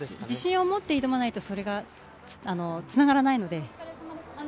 自信を持って挑まないと、それがつながらないので。